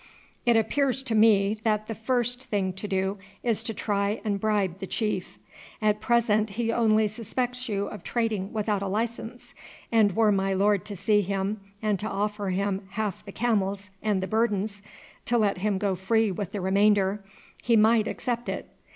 "It appears to me that the first thing to do is to try and bribe the chief. At present he only suspects you of trading without a license, and were my lord to see him and to offer him half the camels and the burdens, to let him go free with the remainder, he might accept it.